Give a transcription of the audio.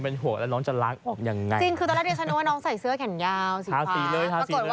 พร้อมว่าแบบน้องทาสีทั้งตัวเลย